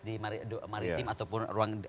di maritim ataupun ruang